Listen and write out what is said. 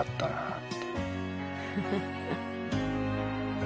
フフフフ。